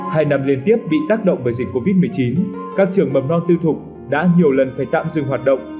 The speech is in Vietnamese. hai năm liên tiếp bị tác động bởi dịch covid một mươi chín các trường mầm non tư thục đã nhiều lần phải tạm dừng hoạt động